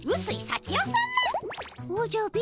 おじゃ貧